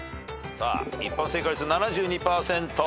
一般正解率７２％。